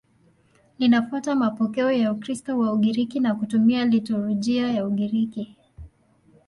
Linafuata mapokeo ya Ukristo wa Ugiriki na kutumia liturujia ya Ugiriki.